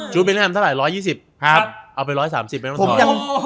จู๊ดเวลิงแฮมเท่าไหร่๑๒๐เอาไป๑๓๐ไม่ต้องถอย